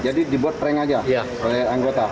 jadi dibuat prank aja oleh anggota